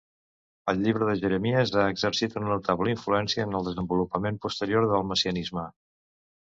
El llibre de Jeremies ha exercit una notable influència en el desenvolupament posterior del messianisme.